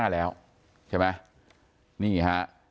แล้วใช่ไหมนี่ฮะ